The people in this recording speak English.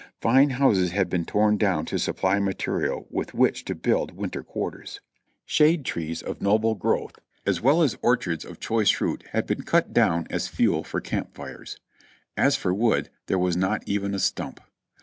Fine houses had been torn down to supply material with which to build win ter quarters. Shade trees of noble growth, as well as orchards of 28 434 JOHNNY REB AND BILLY YANK choice fruit, had been cut down as fuel for camp fires. As for wood, there was not even a stump.